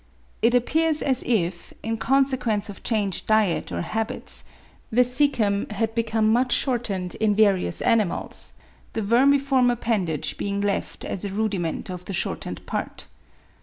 It appears as if, in consequence of changed diet or habits, the caecum had become much shortened in various animals, the vermiform appendage being left as a rudiment of the shortened part.